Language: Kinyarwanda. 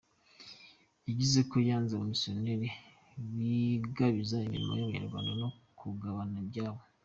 Yazize ko yanze ko abamisiyoneri bigabiza imirima y’abanyarwanda no kugabana ibyabo.